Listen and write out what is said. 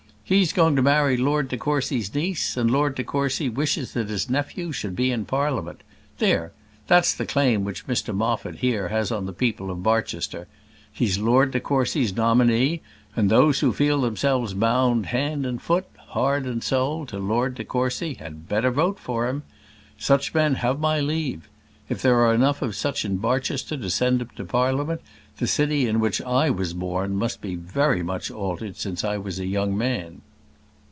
He's going to marry Lord de Courcy's niece, and Lord de Courcy wishes that his nephew should be in Parliament. There, that's the claim which Mr Moffat has here on the people of Barchester. He's Lord de Courcy's nominee, and those who feel themselves bound hand and foot, heart and soul, to Lord de Courcy, had better vote for him. Such men have my leave. If there are enough of such at Barchester to send him to Parliament, the city in which I was born must be very much altered since I was a young man."